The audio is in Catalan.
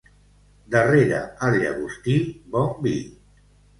Darrere el llagostí, bon vi.